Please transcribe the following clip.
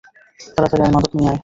তাড়াতাড়ি আয়, মাদক নিয়ে আয়!